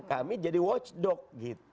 kami jadi watchdog gitu